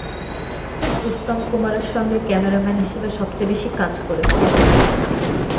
উত্তম কুমারের সঙ্গে ক্যামেরাম্যান হিসাবে সবচেয়ে বেশি কাজ করেছেন।